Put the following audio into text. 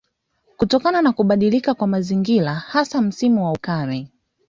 Kutokana na kubadilika kwa mazingira hasa msimu wa ukame